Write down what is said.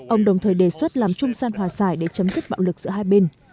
ông đồng thời đề xuất làm trung gian hòa giải để chấm dứt bạo lực giữa hai bên